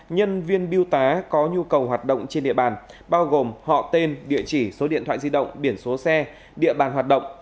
nhân viên biêu tá có nhu cầu hoạt động trên địa bàn bao gồm họ tên địa chỉ số điện thoại di động biển số xe địa bàn hoạt động